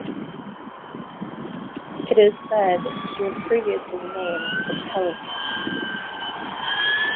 It is said she was previously named the "Pelican".